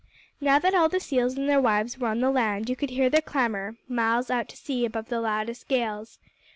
Now that all the seals and their wives were on the land, you could hear their clamor miles out to sea above the loudest gales.